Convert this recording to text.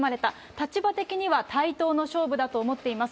立場的には対等の勝負だと思っています。